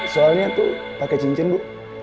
soalnya tuh pakai cincin bu